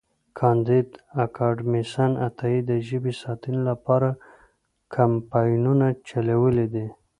کانديد اکاډميسن عطایي د ژبې ساتنې لپاره کمپاینونه چلولي دي.